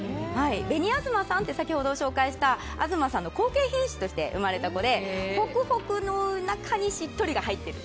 紅あずまさんって先ほど紹介したあずまさんの後継品種として生まれた子でホクホクの中にしっとりが入っている。